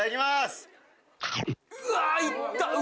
うわいった！